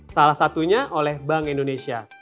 salah satunya oleh bank indonesia